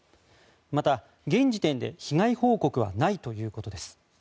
また、現時点で被害報告はないということです。